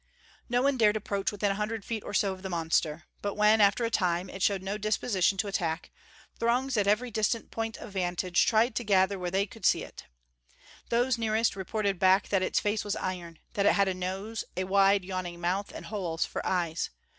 No one dared approach within a hundred feet or so of the monster. But when, after a time, it showed no disposition to attack, throngs at every distinct point of vantage tried to gather where they could see it. Those nearest reported back that its face was iron; that it had a nose, a wide, yawning mouth, and holes for eyes.